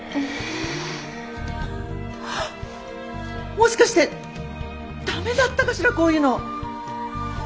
もしかしてダメだったかしらこういうの。